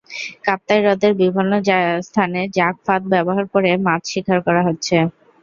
কাপ্তাই হ্রদের বিভিন্ন স্থানে জাগ ফাঁদ ব্যবহার করে মাছ শিকার করা হচ্ছে।